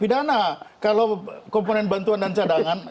pidana kalau komponen bantuan dan cadangan